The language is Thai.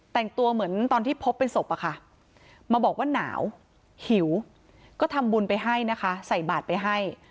แต่งตัวเหมือนตอนที่พบเป็นศพอะค่ะมาบอกว่าหนาวหิวก็ทำบุญไปให้นะคะใส่บาทไปให้